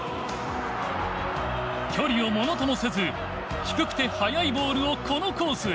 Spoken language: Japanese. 距離をものともせず低くて速いボールをこのコースへ。